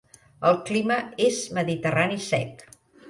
El clima és mediterrani sec.